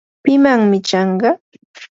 ¿pimanmi chanqa?